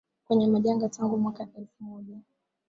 kwenye majanga tangu mwaka elfu moja